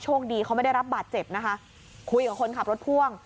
คดีเขาไม่ได้รับบาดเจ็บนะคะคุยกับคนขับรถพ่วง